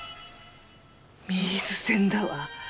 ミーズ線だわ。